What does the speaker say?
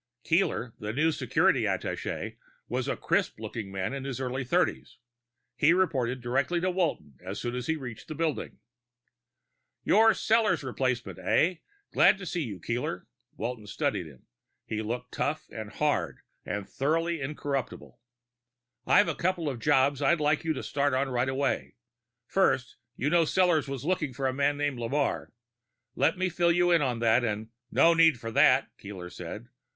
Keeler, the new security attaché, was a crisp looking man in his early thirties. He reported directly to Walton as soon as he reached the building. "You're Sellors' replacement, eh? Glad to see you, Keeler." Walton studied him. He looked tough and hard and thoroughly incorruptible. "I've a couple of jobs I'd like you to start on right away. First, you know Sellors was looking for a man named Lamarre. Let me fill you in on that, and " "No need for that," Keeler said.